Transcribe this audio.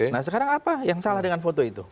nah sekarang apa yang salah dengan foto itu